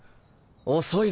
遅いぞ！